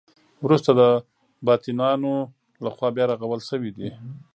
وروسته د بازنطینانو له خوا بیا رغول شوې دي.